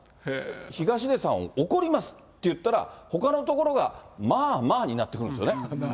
東出さんを怒りますって言ったら、ほかのところがまあまあになってくるんですよね。